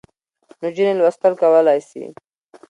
نجونې لوستل کولای سي.